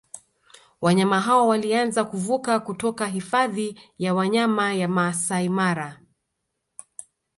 Wanyama hao walianza kuvuka kutoka Hifadhi ya Wanyama ya Maasai Mara